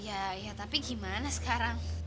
ya ya tapi gimana sekarang